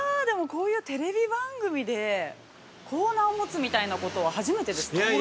でも、こういうテレビ番組でコーナーを持つみたいなことは初めてですか。